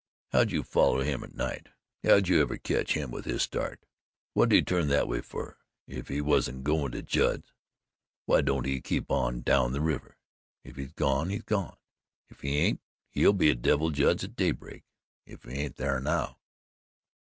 How'd you foller him at night? How'd you ever ketch him with his start? What'd he turn that way fer, if he wasn't goin' to Judd's why d'n't he keep on down the river? If he's gone, he's gone. If he ain't, he'll be at Devil Judd's at daybreak if he ain't thar now."